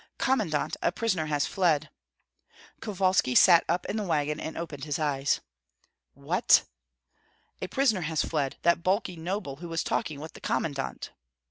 "Commandant, a prisoner has fled." Kovalski sat up in the wagon and opened his eyes. "What?" "A prisoner has fled, that bulky noble who was talking with the commandant."